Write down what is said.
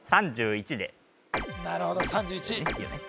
３１でなるほど３１いいよね？